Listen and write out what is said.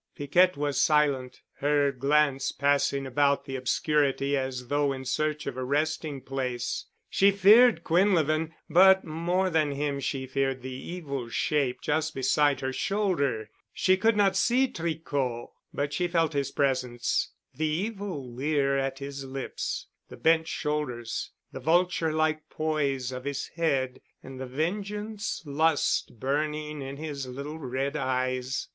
Piquette was silent, her glance passing about the obscurity as though in search of a resting place. She feared Quinlevin, but more than him she feared the evil shape just beside her shoulder. She could not see Tricot, but she felt his presence, the evil leer at his lips, the bent shoulders, the vulture like poise of his head and the vengeance lust burning in his little red eyes.